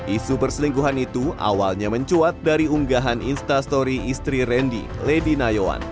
isu perselingkuhan itu awalnya mencuat dari unggahan instastory istri randy lady nayon